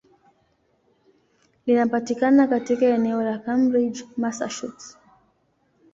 Linapatikana katika eneo la Cambridge, Massachusetts.